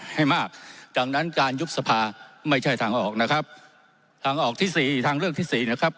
ให้มากดังนั้นการยุบสภาไม่ใช่ทางออกนะครับทางออกที่สี่ทางเลือกที่สี่นะครับ